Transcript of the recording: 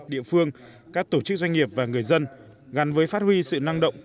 địa phương các tổ chức doanh nghiệp và người dân gắn với phát huy sự năng động